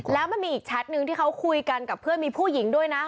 แล้วมันมีอีกแชทนึงที่เขาคุยกันกับเพื่อนมีผู้หญิงด้วยนะ